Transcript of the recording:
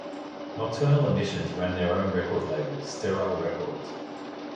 Nocturnal Emissions ran their own record label, Sterile Records.